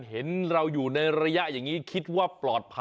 เห็นเราอยู่ในระยะอย่างนี้คิดว่าปลอดภัย